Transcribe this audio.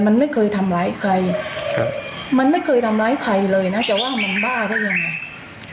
มันไม่เคยทำร้ายใครครับมันไม่เคยทำร้ายใครเลยนะแต่ว่ามันบ้าได้ยังไง